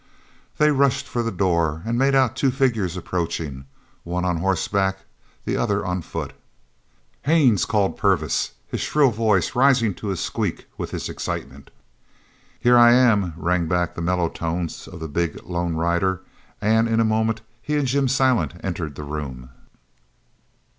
They rushed for the door and made out two figures approaching, one on horseback, and the other on foot. "Haines!" called Purvis, his shrill voice rising to a squeak with his excitement. "Here I am!" rang back the mellow tones of the big lone rider, and in a moment he and Jim Silent entered the room.